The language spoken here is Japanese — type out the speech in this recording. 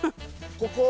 ここ？